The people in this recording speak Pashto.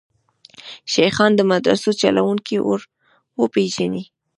شیخان د مدرسو چلوونکي وروپېژني.